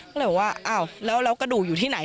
ก็เลยบอกว่าอ้าวแล้วกระดูกอยู่ที่ไหน